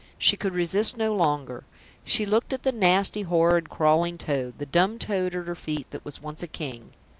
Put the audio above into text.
She could resist no longer. She looked at the nasty, horrid, crawling toad, the dumb toad at her feet that was once a King.